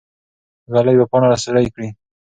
ږلۍ به پاڼه سوری کړي.